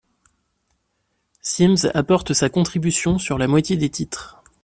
Sims apporte sa contribution sur la moitié des titres.